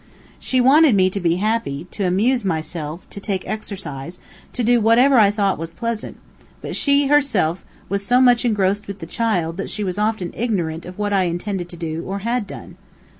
She wanted me to be happy, to amuse myself, to take exercise, to do whatever I thought was pleasant, but she, herself, was so much engrossed with the child, that she was often ignorant of what I intended to do, or had done.